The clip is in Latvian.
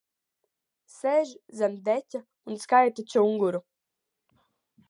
Sēž zem deķa un skaita čunguru.